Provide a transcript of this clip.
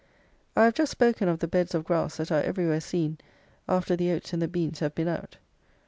I have just spoken of the beds of grass that are everywhere seen after the oats and the beans have been out.